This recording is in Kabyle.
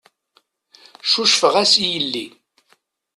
Cucfeɣ-as i yelli.